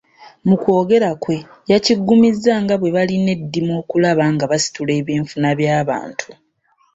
Mukwogera kwe, yakiggumizza nga bwe balina eddimu okulaba nga basitula ebyenfuna by’abantu.